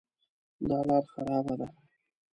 دا لاره خرابه ده